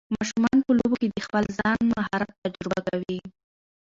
ماشومان په لوبو کې د خپل ځان مهارت تجربه کوي.